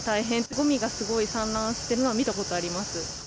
ごみがすごい散乱しているのは見たことあります。